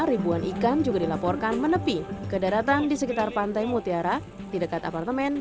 ribuan ikan juga dilaporkan menepi ke daratan di sekitar pantai mutiara di dekat apartemen